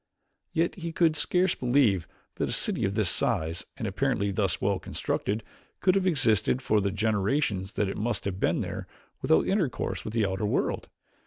Yet he could scarce believe that a city of this size and apparently thus well constructed could have existed for the generations that it must have been there, without intercourse with the outer world.